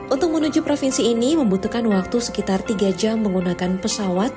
untuk menuju provinsi ini membutuhkan waktu sekitar tiga jam menggunakan pesawat